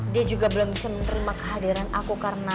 dia juga belum bisa menerima kehadiran aku karena